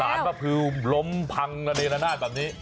สานกระพริวล้มพังในร้านาศแบบนี้